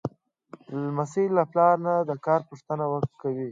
لمسی له پلار نه د کار پوښتنه کوي.